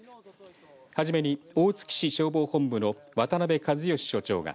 はじめに大月市消防本部の渡邊和義署長が